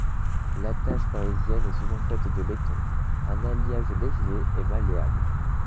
L'attache parisienne est souvent faite de laiton, un alliage léger et malléable.